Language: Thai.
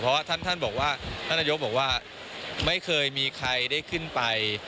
เพราะท่านบอกว่าท่านนายกบอกว่าไม่เคยมีใครได้ขึ้นไป